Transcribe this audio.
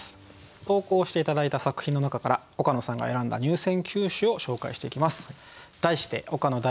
投稿して頂いた作品の中から岡野さんが選んだ入選九首を紹介していきます。